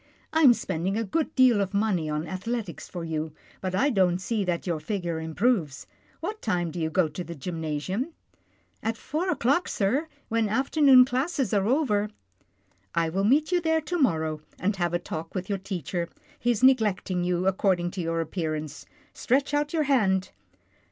" I am spending a good deal of money on ath letics for you, but I don't see that your figure improves. What time do you go to the gymna sium? " "At four o'clock, sir, when afternoon classes are over." " I will meet you there to morrow, and have a talk with your teacher. He's neglecting you, ac cording to your appearance. Stretch out your hand."